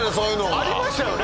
ありましたよね？